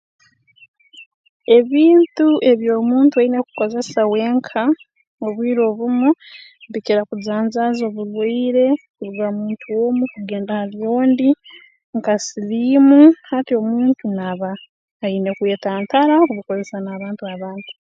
Ebintu ebi omuntu aine kukozesa wenka obwire obumu bikira kujanjaaza oburwaire kuruga ha muntu omu kugenda hali ondi nka siliimu hati omuntu n'aba aine kwetantara kubikozesa n'abantu abandi